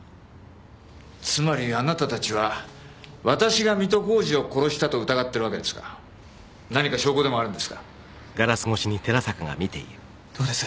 つまりあなたたちは私が水戸浩司を殺したと疑ってるわけですか何か証拠でもあるんですか？